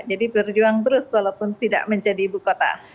jadi berjuang terus walaupun tidak menjadi ibu kota